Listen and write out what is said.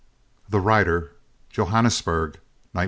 THE WRITER. JOHANNESBURG, 1912.